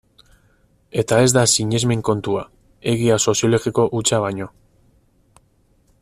Eta ez da sinesmen kontua, egia soziologiko hutsa baino.